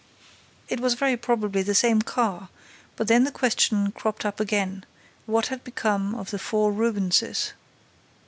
It was very probably the same car; but then the question cropped up again: what had become of the four Rubenses?